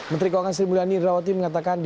menteri keuangan sri mulyani indrawati mengatakan